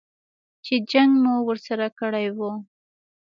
چې جنګ مو ورسره کړی و.